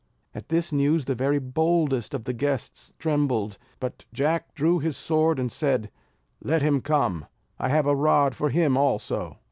At this news the very boldest of the guests trembled; but Jack drew his sword, and said: "Let him come, I have a rod for him also.